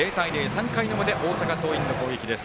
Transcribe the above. ３回の表、大阪桐蔭の攻撃です。